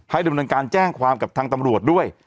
ดำเนินการแจ้งความกับทางตำรวจด้วย